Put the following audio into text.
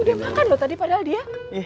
udah makan lo tadi padahal dia